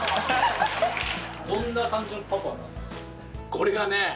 これがね。